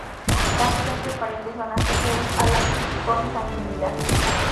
Casos entre parientes son asociados a la consanguinidad.